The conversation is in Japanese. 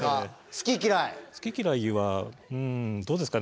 好き嫌いはうんどうですかね？